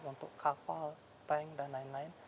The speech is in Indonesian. untuk kapal tank dan lain lain